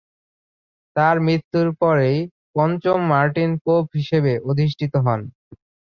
তার মৃত্যুর পরেই পঞ্চম মার্টিন পোপ হিসেবে অধিষ্ঠিত হন।